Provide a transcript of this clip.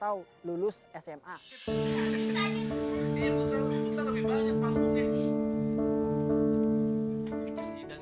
ini mungkin bisa lebih banyak pampunya